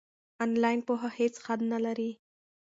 آنلاین پوهه هیڅ حد نلري.